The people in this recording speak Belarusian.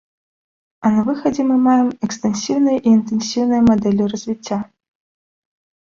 А на выхадзе мы маем экстэнсіўныя і інтэнсіўныя мадэлі развіцця.